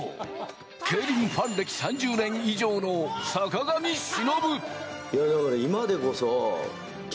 競輪ファン歴３０年以上の坂上忍。